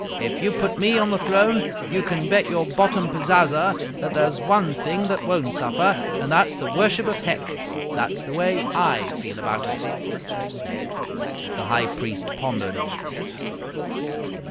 If you put me on the throne, you can bet your bottom pazaza that there's one thing that won't suffer, and that is the worship of Hec!' That's the way I feel about it." The High Priest pondered.